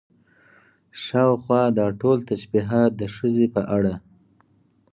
شاوخوا دا ټول تشبيهات د ښځې په اړه